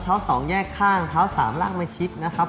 เท้า๒แยกข้างเท้า๓ลากมาชิดนะครับ